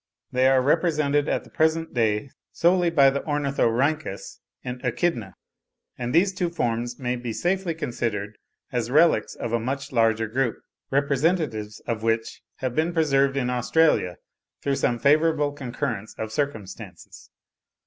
They are represented at the present day solely by the Ornithorhynchus and Echidna; and these two forms may be safely considered as relics of a much larger group, representatives of which have been preserved in Australia through some favourable concurrence of circumstances.